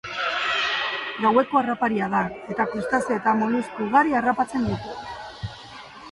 Gaueko harraparia da, eta krustazeo eta molusku ugari harrapatzen ditu.